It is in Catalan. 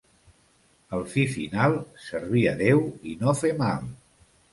El fi final, servir a Déu i no fer mal.